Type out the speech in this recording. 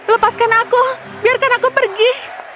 lepaskan aku biarkan aku pergi